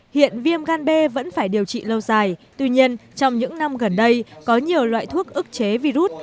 hiện viêm gan b vẫn phải điều trị lâu dài tuy nhiên trong những năm gần đây có nhiều loại thuốc ức chế virus